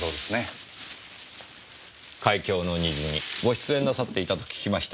『海峡の虹』にご出演なさっていたと聞きました。